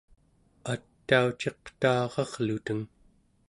atauciqtaararluteng